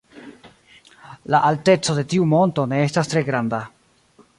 La alteco de tiu monto ne estas tre granda.